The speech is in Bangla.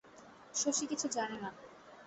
শশী কিছু জানে না।